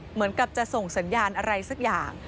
เหมือนกับจะส่งสัญญาณอะไรสักอย่าง